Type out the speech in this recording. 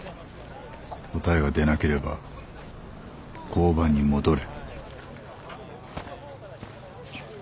答えが出なければ交番に戻れ。